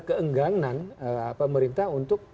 keengganan pemerintah untuk